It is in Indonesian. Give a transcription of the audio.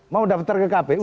mau daftar ke kpu